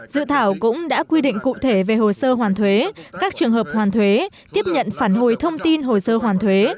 dự thảo cũng đã quy định cụ thể về hồ sơ hoàn thuế các trường hợp hoàn thuế tiếp nhận phản hồi thông tin hồ sơ hoàn thuế